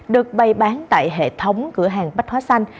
được bày bán tại hệ thống cửa hàng bách hóa xanh